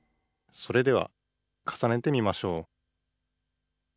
「それではかさねてみましょう」